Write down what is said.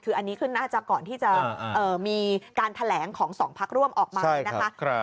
คืออันนี้ขึ้นน่าจะก่อนที่จะมีการแถลงของ๒พักร่วมออกมานะคะ